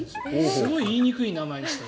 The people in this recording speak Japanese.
すごい言いにくい名前にした。